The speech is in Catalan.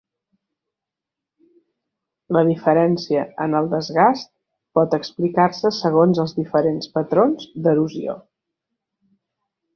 La diferència en el desgast pot explicar-se segons els diferents patrons d'erosió.